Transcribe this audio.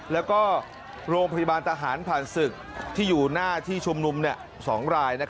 แล้วก็โรงพยาบาลทหารผ่านศึกที่อยู่หน้าที่ชุมนุม๒ราย